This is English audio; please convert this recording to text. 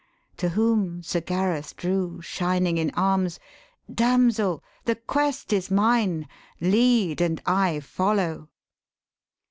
To whom Sir Gareth drew Shining in arms, 'Damsel, the quest is mine. Lead, and I follow.'